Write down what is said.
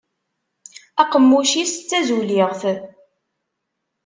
Aqemmuc-is d tazuliɣt.